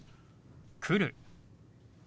「来る」。